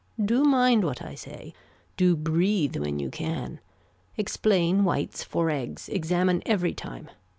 Do mind what I say. Do breathe when you can. Explain whites for eggs. Examine every time.